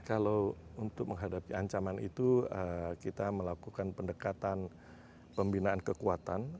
kalau untuk menghadapi ancaman itu kita melakukan pendekatan pembinaan kekuatan